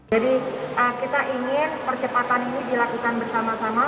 jadi kita ingin percepatan ini dilakukan bersama sama